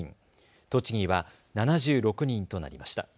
栃木は７６人となりました。